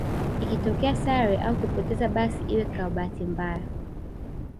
Ikitokea sare au kupoteza basi iwe kwa bahati mbaya